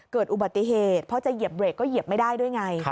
เกิดอุบัติเหตุเพราะจะเหยียบเบรกก็เหยียบไม่ได้ด้วยไง